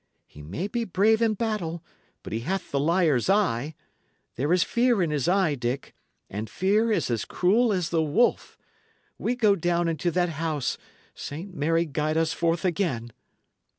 He may be brave in battle, but he hath the liar's eye; there is fear in his eye, Dick, and fear is as cruel as the wolf! We go down into that house, Saint Mary guide us forth again!"